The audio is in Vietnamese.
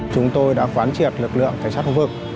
chúng tôi đã khoán triệt lực lượng tài sát khu vực